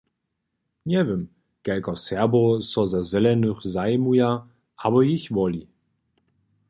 Njewěm, kelko Serbow so za Zelenych zajimuje abo jich woli.